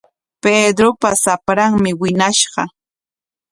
Pedropa shapranmi wiñashqa.